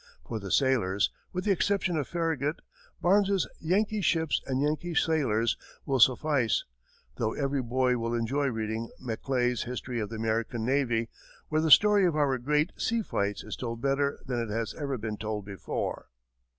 For the sailors, with the exception of Farragut, Barnes's "Yankee Ships and Yankee Sailors" will suffice; though every boy will enjoy reading Maclay's "History of the American Navy," where the story of our great sea fights is told better than it has ever been told before.